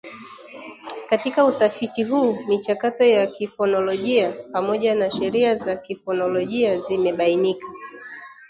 Katika utafiti huu michakato ya kifonolojia pamoja na sheria za kifonolojia zimebainika